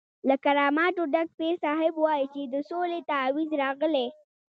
له کراماتو ډک پیر صاحب وایي چې د سولې تعویض راغلی.